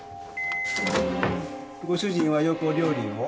んーご主人はよくお料理を？